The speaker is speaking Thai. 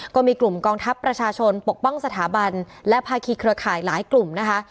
ก็มีกลุ่มกองทัพประชาชนปกป้องสถาบันและภาคีเครือข่ายหลายกลุ่มนะคะ